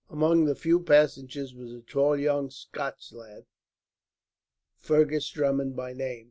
Among the few passengers was a tall young Scotch lad, Fergus Drummond by name.